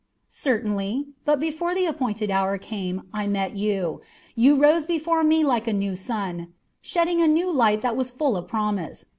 "Certainly; but before the appointed hour came I met you. You rose before me like a new sun, shedding a new light that was full of promise.